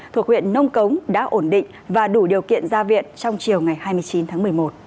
thuộc huyện nông cống đã ổn định và đủ điều kiện ra viện trong chiều ngày hai mươi chín tháng một mươi một